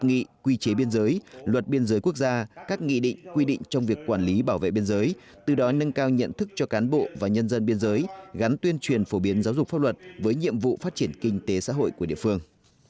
năng việc quản lý bảo vệ biên giới từ đó nâng cao nhận thức cho cán bộ và nhân dân biên giới gắn tuyên truyền phổ biến giáo dục pháp luật với nhiệm vụ phát triển kinh tế xã hội của địa phương